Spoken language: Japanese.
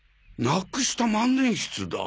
なくした万年筆だ。